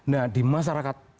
nah di masyarakat